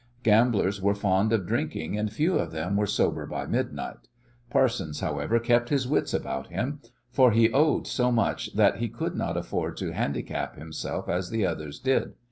Gamblers were fond of drinking and few of them were sober by midnight. Parsons, however, kept his wits about him, for he owed so much that he could not afford to handicap himself as the others did.